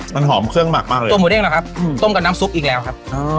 มันหอมเครื่องหมักมากเลยตัวหมูเด้งเหรอครับต้มกับน้ำซุปอีกแล้วครับ